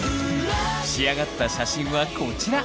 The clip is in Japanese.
仕上がった写真はこちら！